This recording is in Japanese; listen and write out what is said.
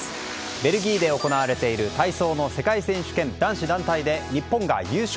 ベルギーで行われている体操の世界選手権男子団体で日本が優勝。